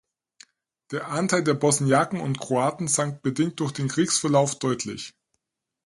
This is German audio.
Der Anteil der Bosniaken und Kroaten sank bedingt durch den Kriegsverlauf deutlich.